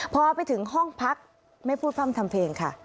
พอไปถึงห้องพักไม่พูดพร่ำทำเพลงค่ะ